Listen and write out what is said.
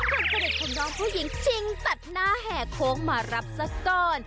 คนสนิทของน้องผู้หญิงชิงตัดหน้าแห่โค้งมารับซะก่อน